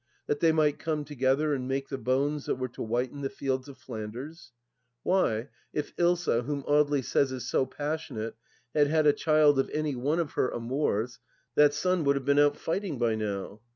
That they might come together and make the bones that were to whiten the fields of Flanders ! Why, if Ilsa, whom Audely says is so passionate, had had a child of any one of her amours, tlmt son would have been out fighting by now